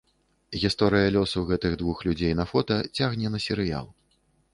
Гісторыя лёсу гэтых двух людзей на фота цягне на серыял.